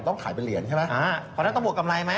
ต้องขายเป็นเหรียญใช่ไหมอ่าเพราะฉะนั้นตำรวจกำไรไหม